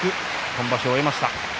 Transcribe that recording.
今場所を終えました。